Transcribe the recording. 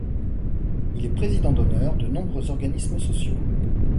Il est président d'honneur de nombreux organismes sociaux.